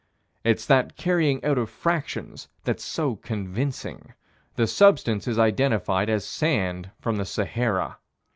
It's that carrying out of fractions that's so convincing. The substance is identified as sand from the Sahara.